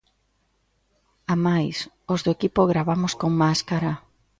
Amais, os do equipo gravamos con máscara.